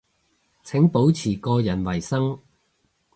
請保持個人衛生